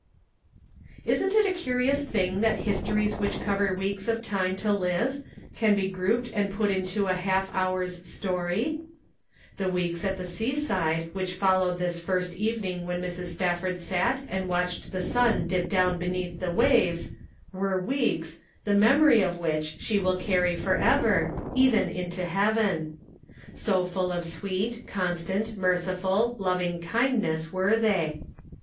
Isn't it a curious thing that histories which cover weeks of time to live can be grouped and put into a half hour's story? The weeks at the seaside which followed this first evening when Mrs. Spafford sat and watched the sun 366 The Pocket Measure. dip down beneath the waves were weeks, the memory of which she will carry forever, even into heaven. So full of sweet, constant, merci ful, loving kindness were they.